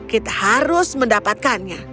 kita harus mendapatkannya